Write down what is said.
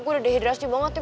gue udah dehidrasi banget nih